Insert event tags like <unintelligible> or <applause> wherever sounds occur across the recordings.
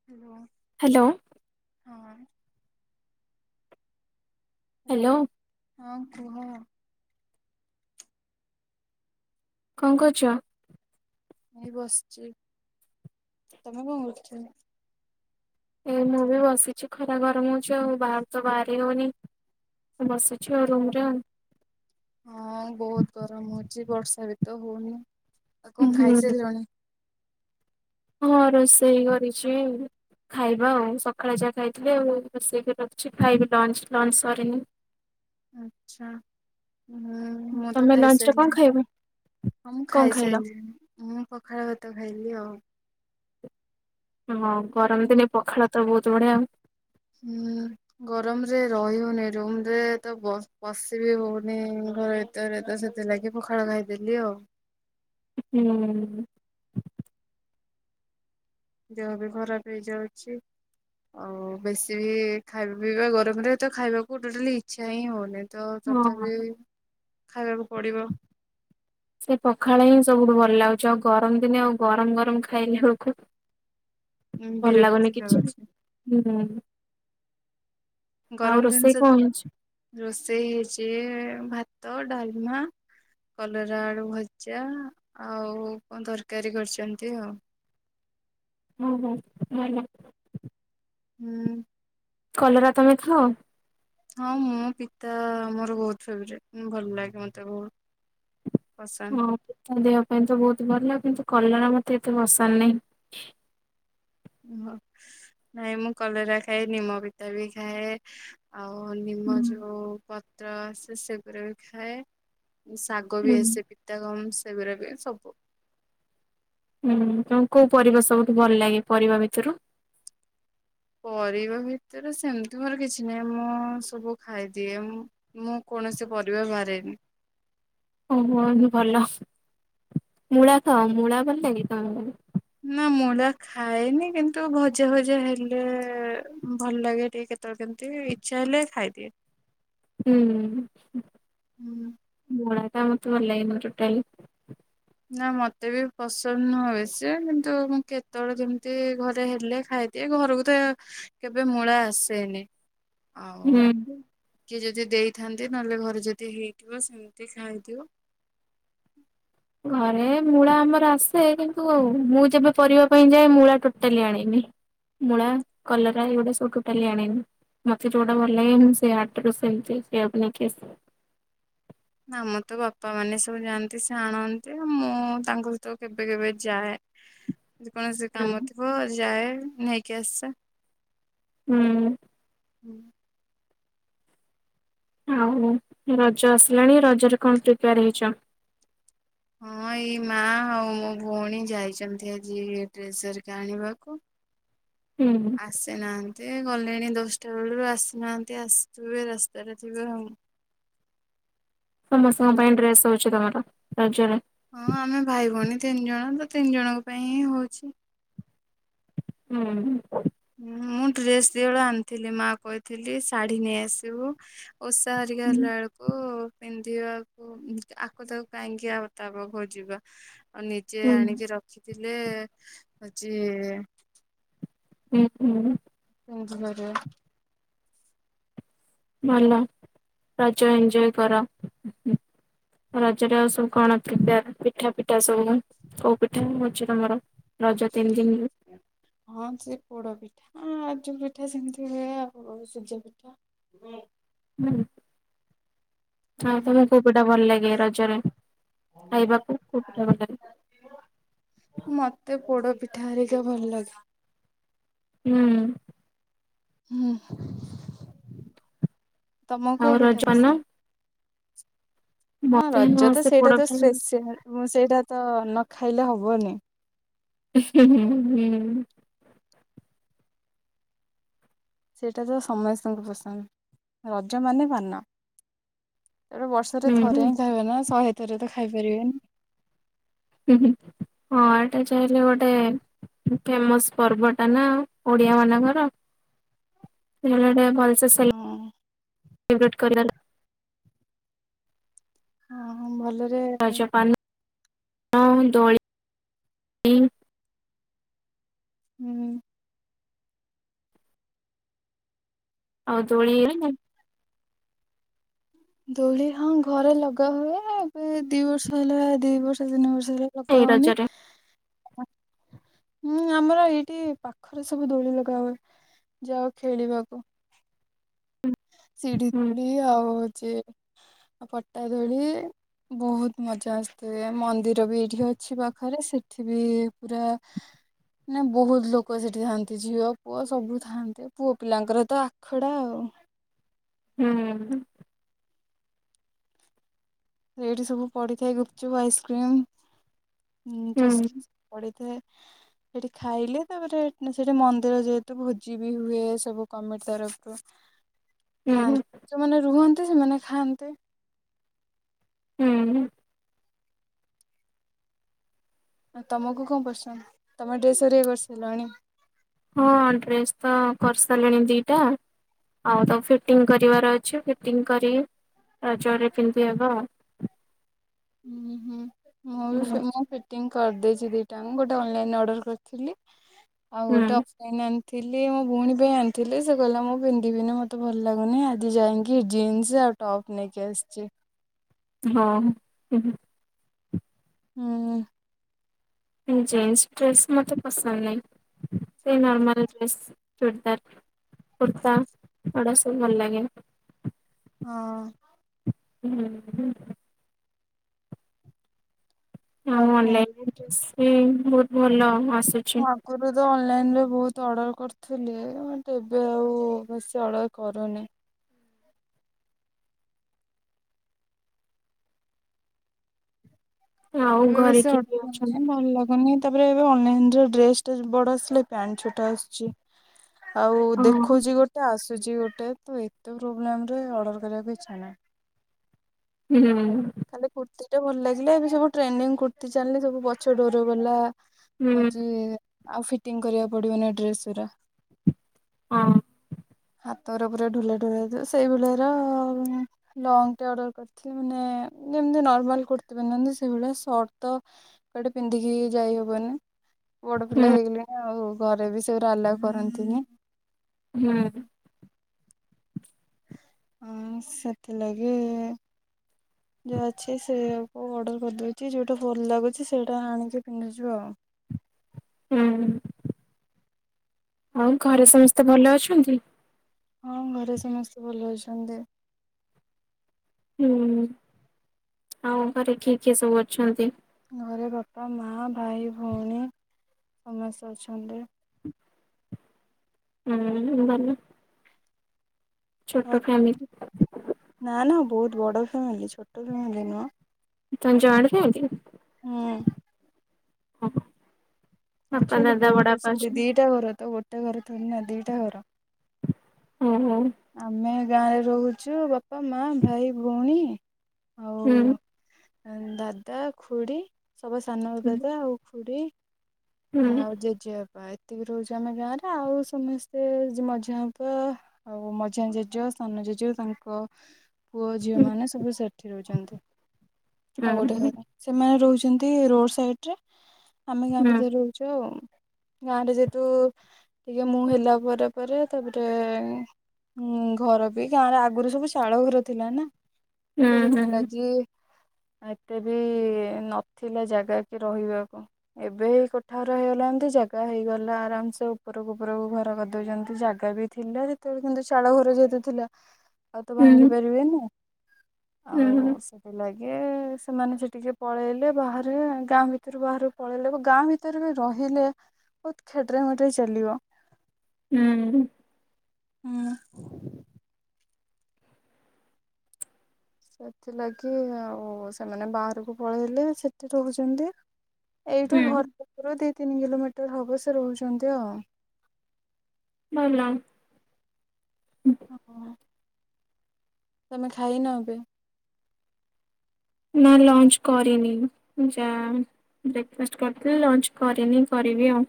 <inaudible> Hello. ହଁ। Hello hello ହଁ କୁହ। କଣ କରୁଛ? ଏଇ ବସିଚି ତମେ କଣ କରୁଛ? ଏ ମୁଁ ବି ବସିଛି ଖରା ଗରମ ହଉଛି ଆଉ ବାହାରକୁ ତ ବାହାରି ହଉନି। ବସିଛୁ ଆଉ ରୁମ୍ ରେ। ହଁ ବହୁତ ଗରମ୍ ହଉଛି ବର୍ଷା ବି ତ ହଉନି ଆଉ କଣ ହୁଁ ଖାଇସାରିଲଣି? ହଁ ରୋଷେଇ କରିଛି। ଖାଇବା ଆଉ ସକାଳେ ଯାହା ଖାଇଥିଲି ଆଉ ରୋଷେଇ କରିକି ରଖିଛି ଖାଇବି ଲଞ୍ଚ୍ ଲଞ୍ଚ୍ ସରିନି। ଆଚ୍ଛା। ହୁଁ ମୁଁ ତ ତମେ ଲଞ୍ଚ ରେ କଣ ଖାଇସାରିଲିଣି ଖାଇବ ମୁଁ କଣ ଖାଇଲ? ଖାଇସାରିଲିଣି। ମୁଁ ପଖାଳ ଭାତ ଖାଇଥିଲି ଆଉ। ହଁ ଗରମ ଗୋ ଦିନେ ପଖାଳ ତ ବହୁତ୍ ବଢ଼ିଆ ଆଉ। ହୁଁ। ଗରମରେ ରହି ହଉନି ରୁମ୍ ରେ ତ ବସ ବସି ବି ହଉନି ଘରେ। <unintelligible> ତ ସେଥିଲାଗି ପଖାଳ ଖାଇଦେଲି ଆଉ। ହୁଁ। ଦେହ ବି ଖରାପ ହେଇଯାଉଛି। ଆଉ ବେଶୀ ବି ଖାଇବା ପିଇବା ଗରମରେ ତ ଖାଇବାକୁ ଟୋଟାଲି ଇଚ୍ଛା ହିଁ ହଉନି। ତ ହଁ। ତଥାପି ଖାଇବାକୁ ପଡ଼ିବ। ସେ ପଖାଳ ହିଁ ସବୁଠୁ ଭଲ ଲାଗୁଛି ଆଉ ଗରମ ଦିନେ ଆଉ ଗରମ ଗରମ ଖାଇଲା ବେଳକୁ ଭଲ ବିରକ୍ତି ଲାଗୁନି କିଛି ଲାଗୁଛି ହୁଁ। ଆଉ ଗରମ ରୋଷେଇ ଜିନିଷ କଣ ହେଇଛି? ରୋଷେଇ ହେଇଛି ଭାତ ଡ଼ାଲମା। କଲରା ଆଳୁ ଭଜା ଆଉ କଣ ତରକାରୀ କରିଛନ୍ତି ଆଉ। ଓ ହୋ ଭଲ। ହୁଁ। କଲରା ତମେ ଖାଅ? ହଁ ମୁଁ ପିତା ମୋର ବହୁତ୍ ଫେବରେଟ୍ ଭଲ ଲାଗେ ମତେ ବହୁତ୍। ହଁ ଦେହ ପାଇଁ ତ ବହୁତ୍ ଭଲ କିନ୍ତୁ କଲରା ମତେ ଏତେ ପସନ୍ଦ ନାହିଁ। <unintelligible> ନାଇଁ ମୁଁ କଲରା ଖାଏ ନିମ ପିତା ବି ଖାଏ। ଆଉ ନିମ ଯୋଉ ପତ୍ର ଆସେ ସେଗୁଡା଼ ବି ଖାଏ ଶା <unintelligible> ବି ହୁଁ। ଆସେ ପିତା କମ୍ ସେଗୁରା ବି ସବୁ ହୁଁ ତ କୋଉ କୋଉ ପରିବା ସବୁଠୁ ଭଲ ଲାଗେ ପରିବା ଭିତରୁ? ପରିବା ଭିତରୁ ସେମିତି ମୋର କିଛି ନାହିଁ ମୁଁ ସବୁ ଖାଇଦିଏ ମୁଁ। ମୁଁ କୌଣସି ପରିବା ବାରେନି। ଓ ହୋ ଭଲ ମୂଳା ତ ମୂଳା ଭଲ ଲାଗେ ତମକୁ? ନାଁ ମୂଳା ଖାଏନି କିନ୍ତୁ ଭଜା ଭଜା ହେଲେ ଭଲ ଲାଗେ ଟିକେ କେତେବେଳେ କେମିତି ଇଚ୍ଛା ହେଲେ ଖାଇଦିଏ। ହୁଁ ହୁଁ। ମୂଳା ଟା ମତେ ଭଲ ଲାଗେନି ଟୋଟାଲି। ନା ମତେ ବି ପସନ୍ଦ ନୁହଁ ସିଏ କିନ୍ତୁ ମୁଁ କେତେବେଳେ ଯେମିତି ଘରେ ହେଲେ ଖାଇ ଟେ ଘରକୁ ତ କେବେ ମୂଳା ଆସେନି ହୁଁ। ଆଉ କିଏ ଯଦି ଦେଇଥାନ୍ତି ନହେଲେ ଘରେ ଯଦି ହେଇଥିବ ସେମିତି ଖାଇଥିବ। ଘରେ ମୂଳା ଆମର ଆସେ କିନ୍ତୁ ମୁଁ ଯେବେ ପରିବା ପାଇଁ ଯାଏ ମୂଳା ଟୋଟାଲି ଆଣିନି। ମୁଳା କଲରା ଏଉଡ଼ା ସବୁ ଟୋଟାଲି ଆଦେନି। ମତେ ଯୋଉଟା ଭଲ ଲାଗେ ମୁଁ ସେ ହାଟରୁ ସେମିତି ସେଆକୁ ନେଇକି ଆସେ। ନା ମର ତ ବାପା ମାନେ ସବୁ ଯାଆନ୍ତି ସେ ଆଣନ୍ତି ମୁଁ ତାଙ୍କ ସହିତ କେବେ କେବେ ଯାଏ। ଯଦ କୌଣସି କାମ ଥିବ ଯାଏ ନେଇକି ଆସେ। ହୁଁ। ହୁଁ। ଆଉ ରଜ ଆସିଲାଣି ରଜରେ କଣ ପ୍ରିପେୟାର ହେଇଛ। ହଁ ଏଇ ମା ଆଉ ମୋ ଭଉଣୀ ଯାଇଛନ୍ତି ଆଜି ଡ୍ରେସର କ ଆଣିବାକୁ। ହୁଁ ଆସେ ନା। ଏତେ ଗଲେଣି ଦଶଟା ବେଳରୁ ଆସିନାହାନ୍ତି ଆସିଥିବେ ରାସ୍ତାଟା ଥିବେ ଆଉ ସମସ୍ତଙ୍କ ପାଇଁ ଡ୍ରେସ ଅଉଛି ତମର ରଜରେ। ହଁ ଆମେ ଭାଇ ଭଉଣୀ ତିନି ଜଣ ତ ତିନି ଜଣଙ୍କ ପାଇଁ ହିଁ ହଉଛି। ଉଁ ହୁଁ। ମୁଁ ଡ୍ରେସ୍ ଦିି ହଳ ଆଣିଥିଲି ମା କଇଥିଲେ ଶାଢୀ ନେଇ ଆସିବୁ। ଓଷା ହେରିକା ହୁଁ ହେଲା ଏଳୁକୁ। ପିନ୍ଧିବାକୁ ଆକୁ ତାକୁ କାହିଁକି ଆଉ ତା ପାଖକୁ ଯିବା। ଆଉ ନିଜେ ଆଣିକି ହୁଁ ରଖିଥିଲେ ହଉଚି ହୁଁ ହୁଁ। ମୁଁ ଭର ଭଲ ରଜ ଏଞ୍ଜୟ କର। ରଜରେ ଆଉ ସବୁ କଣ ପିଡ଼ା ପିଠା ସବୁ କ କୋଉ ପିଠା ହଉଚି ତମର ରଜ ତିନି ଦିନରୁ ହଁ ସେ ପୋଡ ପିଠା ଆଜୁ ପିଠା ସେମିତି ହୁଏ ଆଉ ସୂଜି ପିଠା। ହୁଁ। ହୁଁ। ହଁ ଆପଣଙ୍କୁ କୋଉ ପିଠା ଭଲ ଲାଗେ ରଜରେ ଖାଇବାକୁ କୋଉ ପିଠା ଭଲ ଲାଗେ? ମତେ ପୋଡ ପିଠା ହେରିକା ଭଲ ଲାଗେ। ହୁଁ। ହୁଁ ତମକୁ ଆଉ କୋଉ ରଜ ପିଠା ପାନ ପସନ୍ଦ? ହଁ ମତେ ରଜ ତ ସେ ପୋଡ ସେଇଟା ତ ପିଠା ହୁଁ ସ୍ପେସିଆଲ ସେଇଟା ତ ନ ଖାଇଲେ ହବନି। <unintelligible> ସେଇଟା ତ ସମସ୍ତଙ୍କୁ ପସନ୍ଦ ରଜ ମାନେ ପାନ। ଏ ବର୍ଷରେ ହୁଁ ଥରେ ହିଁ ଖାଇବେ ନା ଶହେ ଥରେ ତ ଖାଇପାରିବେନି। ହୁଁହୁଁ ହଁ ଏଇଟା ଚାହିଁଲେ ଗୋଟେ ଫେମସ ପର୍ବ ଟା ନା ଓଡିଆ ମାନଙ୍କର ସେ ଭଲ ସୋସିଆଲ୍ ହଁ ଇନ୍‌ଭେଟ୍ କରିବା ନା। ହ ହଁ ଭଲରେ। ରଜ ହୁଁ ପାନ ହଁ ଦୋଳି। ହୁଁ। ଆଉ ଦୋଳି ଇଏ ନାଇଁ ଦୋଳି ହଁ ଘରେ ଲଗା ହୁଏ ଏ ଦି ବର୍ଷ ହେଲା ଦି ବର୍ଷ ତିନି ବର୍ଷ ହେଲା ଏଇ ଲଗାହଉନି। ରଜରେ ହୁଁ ଆମର ଏଇଠି ପାଖରେ ସବୁ ଦୋଳି ଲଗାହୁଏ ଯାଉ ଖେଳିବାକୁ। ସିଢି ହୁଁ ଦୋଳି ଆଉ ହଉଚି ପଟା ଦୋଳି। ବହୁତ ମଜା ଆସିଥାଏ ମନ୍ଦିର ବି ଏଇଠି ଅଛି ପାଖରେ ସେଠି ବି ପୁରା ମାନେ ବହୁତ ଲୋକ ସେଠି ଥାଆନ୍ତି ଝିଅ ପୁଅ ସବୁ ଥାଆନ୍ତେ ପୁଅ ପିଲାଙ୍କର ତ ଆଖଡ଼ା ଆଉ। ହୁଁ। ସେଇଠି ସବୁ ପଡିଥାଏ ଗୁପଚୁପ ଆଇସ୍କ୍ରିମ୍ ହୁଁ ଚୁସ୍ ପଡ଼ିିଥାଏ। ସେଠି ଖାଇଲେ ତାପରେ ସେଠି ମନ୍ଦିର ଯେହେତୁ ଭୋଜି ବି ହୁଏ ସବୁ କମିଟି ତରଫରୁ ହୁଁ ଖାଆନ୍ତି ଯୋଉମାନେ ରୁହନ୍ତି ସେମାନେ ଖାଆନ୍ତି। ହୁଁ ତମକୁ କଣ ପସନ୍ଦ ତମ ଡ୍ରେସ ହେରିକା କରିସାରିଲଣି? ହଁ ଡ୍ରେସ୍ ତ କରିସାରିଲିଣି ଦିଟା। ଆଉ ତାକୁ ଫିଟିଙ୍ଗ କରିବାର ଅଛି ଫିଟିଙ୍ଗ କରି ରଜ ରେ ପିନ୍ଧି ହେବ ଆଉ। ହୁଁ ହୁଁ ମୁଁ ବି ମୁଁ ଫି ଫିଟିଙ୍ଗ କରିଦେଇଛି ଦିଟାଙ୍କୁ ଗୋଟେ ଅନଲାଇନ ଅର୍ଡର କରିଥିଲି ଆଉ ହୁଁ ଗୋଟେ ଅଫ କିଣି ଆଣିଥିଲି ମୋ ଭଉଣୀ ପାଇଁ ଆଣିଥିଲି ସେ କହିଲା ମୁଁ ପିନ୍ଧିବିନି ମତେ ଭଲ ଲାଗୁନି ଆଜି ଯାଇଁ କି ଜିନ୍ସ ଆଉ ଟପ୍ ନେଇକି ଆସିଚି। ହଁ। ହୁଁ। ଜିନ୍ସ ଡ୍ରେସ୍ ମୋତେ ପସନ୍ଦ ନାହିଁ ସେ ନର୍ମାଲ ଡ୍ରେସ୍ ଚୂରଦାର୍। କୁର୍ତ୍ତା ଏଗୁଡା ସବୁ ଭଲ ଲାଗେ। ହଁ। ହୁଁ ହୁଁ। ଆଉ ଅନଲାଇନ ଡ୍ରେସ ବି ବହୁତ ଭଲ ଆସିଛି। <unintelligible> ଆଗୁରୁ ତ ଅନଲାଇନରେ ବହୁତ ଅର୍ଡ଼ର କରିଥିଲି କିନ୍ତୁ ଏବେ ଆଉ ବେଶୀ ଅର୍ଡ଼ର କରୁନି। ଆଉ ଏବେ ଘରେ ବେଶୀ କିଏ କିଏ ଅର୍ଡର କରୁନି ଅଛନ୍ତି? ଭଲ ଲାଗୁନି। ତାପରେ ଏବେ ଅନଲାଇନ ରେ ଡ୍ରେସ ଟା ବଡ ଆସିଲେ ପ୍ୟାଣ୍ଟ ଛୋଟ ଆସୁଛି। ଆଉ ହଁ ଦେଖଉଚି ଗୋଟେ ଆସୁଚି ଗୋଟେ ତ ଏତେ ପ୍ରୋବ୍ଲେମ ରେ ଅର୍ଡର କରିବାକୁ ଇଚ୍ଛା ନାହିଁ। ହୁଁ ଉଁ ଉଁ। ଖାଲି କୁର୍ତ୍ତୀଟା ଭଲ ଲାଗିଲା ଏବେ ସବୁ ଟ୍ରେଣ୍ଡି କୁର୍ତ୍ତି ଚାଲିନି ସବୁ ପଛ ଡୋର ବାଲା। ହୁଁ ହଁ ଯେ ଆଉ ଫିଟିଙ୍ଗ କରିବାକୁ ପଡିବନି ଡ୍ରେସ ଉରା। ହଁ। ହାତ ଉରା ପୁରା ଢ଼ୋଲା ଢ଼ୋଲା ଥିଲା ସେଇଭଳିଆ ର ଲଙ୍ଗ ଟେ ଅର୍ଡର କରି ସେ ମାନେ ଯେମିତି ନର୍ମାଲ କୁର୍ତ୍ତୀ ପିନ୍ଧନ୍ତି ସେଇଭଳିଆ ସର୍ଟ ତ କଆଡେ ପିନ୍ଧିକି ଯାଇ ହବନି। ବଡ ହୁଁ ପିଲା ହେଇଗଲିଣି ଆଉ ଘରେ ବି ସେଉରା ଆଲାଉ କରନ୍ତିନି। ହୁଁ। ହଁ ସେଥିଲାଗି ଯାଉଛି ସେୟାକୁ ଅର୍ଡ଼ର କରିଦଉଛି ଯୋଉଟା ଭଲ ଲାଗୁଛି ସେଇଟା ଆଣିକି ପିନ୍ଧିକି ଯିବା ଆଉ। ହୁଁ ଆଉ ଘରେ ସମସ୍ତେ ଭଲ ଅଛନ୍ତି? ହଁ ଘରେ ସମସ୍ତେ ଭଲ ଅଛନ୍ତି। ହୁଁ ଆଉ ଘରେ କିଏ କିଏ ସବୁ ଅଛନ୍ତି? ଘରେ ବାପା ମା ଭାଇ ଭଉଣୀ ସମସ୍ତେ ଅଛନ୍ତି। ହୁଁ ଭଲ। ଛୋଟ ଆଉ ଫ୍ୟାମିଲି। ନା ନା ବହୁତ ବଡ ଫ୍ୟାମିଲି ଛୋଟ ଫ୍ୟାମିଲି ନୁହଁ। ତମେ ଜଏଣ୍ଟ ଫ୍ୟାମିଲି? ହୁଁ। <unintelligible> ଅଛନ୍ତି ଦାଦା ବହୁତ ବଡବାପା ଅଛନ୍ତି ଦିଟା ଘର ତ ଗୋଟେ ଘର ଥୋଡିନା ଦିଟା ଘର। ଓ ହୋ। ଆମେ ଗାଁରେ ରହୁଛୁ ବାପା, ମା, ଭାଇ, ଭଉଣୀ ଆଉ ହୁଁ ଦାଦା, ଖୁଡି, ସବା ସାନ ହୁଁ ଦାଦା, ଆଉ ଖୁଡି ହୁଁ ଆଉ ଜେଜେବାପା ଏତିକି ରହୁଛୁ ଆମେ ଗାଁ ରେ ଆଉ ସମସ୍ତେ ମଝିଆପା ଆଉ ମଝିଆ ଜେଜ, ସାନ ଜେଜ ତାଙ୍କ ପୁଅ ଝିଅ ହୁଁ। ମାନେ ସବୁ ସେଠି ରହୁଛନ୍ତି ହୁଁ ଆଉ ଗୋଟେ ହୁଁ ଘରେ। ସେମାନେ ରହୁଛନ୍ତି ରୋଡ ସାଇଡ ରେ ଆମେ ଗାଁ ହୁଁ ଭିତରେ ରହୁଛୁ ଆଉ। ଗାଁ ରେ ଯେହେତୁ ଟିକେ ମୁଁ ହେଲା ପରେ ପରେ ତାପରେ ହୁଁ ଘର ବି ଗାଁରେ ଆଗୁରୁ ସବୁ ଶାଳ ଘର ଥିଲା ନା ହୁଁ ତ ସେଥିଲାଜି ଏତେ ବି ନଥିଲା ଜାଗା କି ରହିବାକୁ ଏବେ କୋଠାଘର ହେଇଗଲା ଏମତି ଜାଗା ହେଇଗଲା ଆରାମସେ ଉପରକୁ ଉପରକୁ ଘର କରିଦେଉଛନ୍ତି ଜାଗା ବି ଥିଲା। ସେତେବେଳେ କିନ୍ତୁ ଚାଳ ଘର ଯେହେତୁ ଥିଲା ଆଉ ତ ଭାଙ୍ଗି ପାରିବେନି ଆଉ ହୁଁ ସେ ଥିଲାଗି ସେମାନେ ସେଠିକି ପଳେଇଲେ ବାହାରେ ଗାଁ ଭିତରୁ ବାହାରକୁ ପଳେଇଲେକୁ ଗାଁ ଭି ଭିତରେ ବି ରହିଲେ ବହୁତ ଖେଟ୍ରେ ମେଟରେ ଚାଲିବ। ହୁଁ। ହୁଁ। ସେଥିଲାଗି ଆଉ ସେମାନେ ବାହାରକୁ ପଳେଇଲେ ସେଠି ରହୁଛନ୍ତି। ଏଇଠୁ ହୁଁ ହୁଁ ଘର ପାଖରୁ ଦି ତିନି କିଲୋମିଟର ହବ ସେ ରହୁଛନ୍ତି ଆଉ। ହ୍ୟାଲୋ। ଆଉ ତମେ ଖାଇନ ଏବେ? ନା ଲଞ୍ଚ କରିନି ଯା ବ୍ରେକଫାଷ୍ଟ କରିଥିଲି ଲଞ୍ଚ କରିନି କରିବି ଆଉ।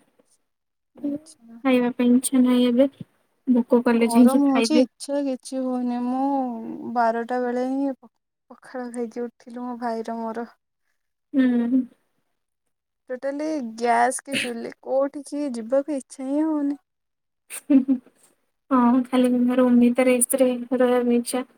ଆଚ୍ଛା। ଖାଇବା ପାଇଁ ଇଚ୍ଛା ନାହିଁ ଏବେ ଭୋକ କଲେ ଯାଇକି ସବୁ ଖାଇବେ। ଇଛା କିଛି ହଉନି ମୁଁ ବାରଟା ବେଳେ ହିଁ ପଖାଳ ଖାଇକି ଉଠିଥିଲୁ ମୋ ଭାଇର ମୋର। ହୁଁ। ଟୋଟାଲି ଗ୍ୟାସ କି ଚୁଲି କୋଉଠିକି ଯିବାକୁ ଇଛା ହିଁ ହଉନି। ହଁ ଖାଲି ରୁମ ଭିତରେ ଏସିରେ ରହିବାକୁ ଇଚ୍ଛା।